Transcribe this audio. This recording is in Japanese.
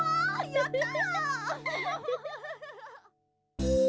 やった！